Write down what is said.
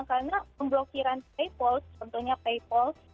karena pemblokiran paypal tentunya paypal